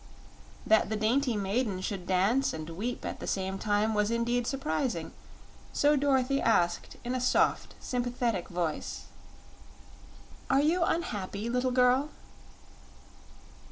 That the dainty maiden should dance and weep at the same time was indeed surprising; so Dorothy asked in a soft, sympathetic voice: "Are you unhappy, little girl?"